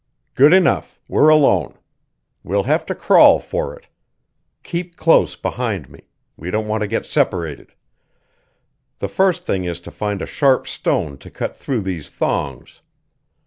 "Good enough! We're alone. We'll have to crawl for it. Keep close behind me; we don't want to get separated. The first thing is to find a sharp stone to cut through these thongs.